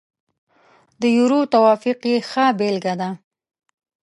د یورو توافق یې ښه بېلګه ده.